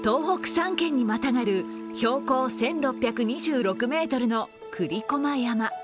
３県にまたがる標高１６２６ｍの栗駒山。